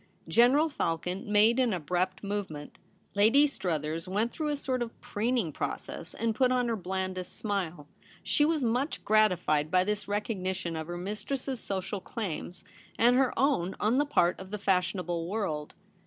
General Falcon made an abrupt movement. Lady Struthers went through a sort of preening process, and put on her blandest smile. She was much gratified by this recognition of her mistress's social claims and her own on the part of the fashionable world.